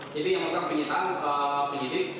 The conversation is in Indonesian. jadi yang melakukan penyelidikan penyelidik